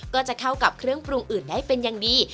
ก็จะเข้ากับเครื่องปรุงอื่นได้เป็นอย่างดี